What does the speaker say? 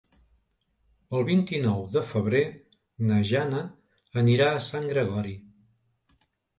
El vint-i-nou de febrer na Jana anirà a Sant Gregori.